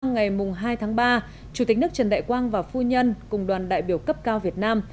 ngày hai tháng ba chủ tịch nước trần đại quang và phu nhân cùng đoàn đại biểu cấp cao việt nam